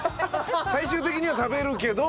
最終的には食べるけど。